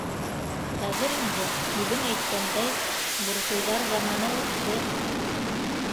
Хәҙер инде, үҙең әйткәндәй, буржуйҙар заманы үтте.